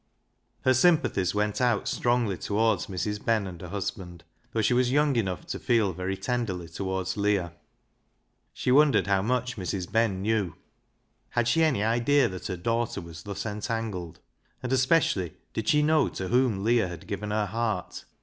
Her sympathies w^ent out strongly towards Mrs. Ben and her husband, though she was young enough to feel very tenderly towards Leah. She won dered how much Mrs. Ben knew. Had she any idea that her daughter was thus entangled ? And especially did she know to whom Leah had given her heart?